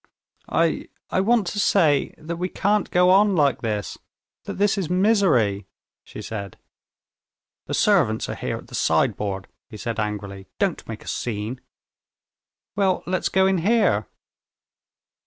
"I ... I want to say that we can't go on like this; that this is misery...." she said. "The servants are here at the sideboard," he said angrily; "don't make a scene." "Well, let's go in here!"